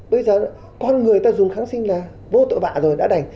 bây giờ con người ta dùng kháng sinh là vô tội vạ rồi đã đành